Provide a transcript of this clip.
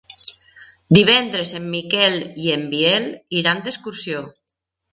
Divendres en Miquel i en Biel iran d'excursió.